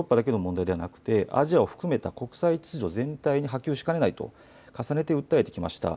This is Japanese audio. これはヨーロッパだけではなくアジアを含めた国際秩序全体に波及しかねないと重ねて訴えてきました。